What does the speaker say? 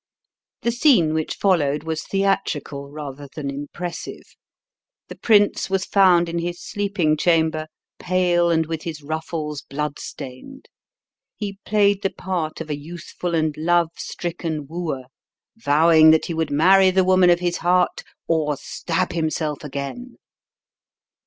The scene which followed was theatrical rather than impressive. The prince was found in his sleeping chamber, pale and with his ruffles blood stained. He played the part of a youthful and love stricken wooer, vowing that he would marry the woman of his heart or stab himself again.